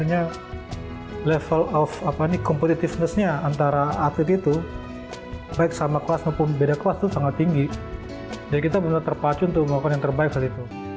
jadi kita benar benar terpacu untuk melakukan yang terbaik saat itu